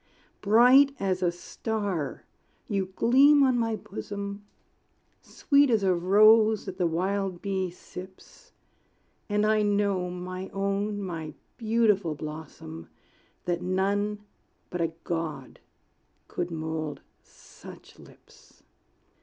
Bright as a star you gleam on my bosom, Sweet as a rose that the wild bee sips; And I know, my own, my beautiful blossom, That none but a God could mould such lips.